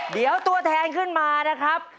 เตรียมก็แทนขึ้นมานะครับ